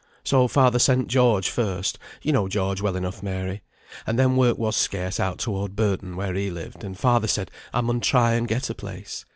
So father sent George first (you know George, well enough, Mary), and then work was scarce out toward Burton, where we lived, and father said I maun try and get a place.